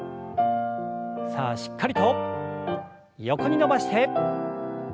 さあしっかりと横に伸ばして。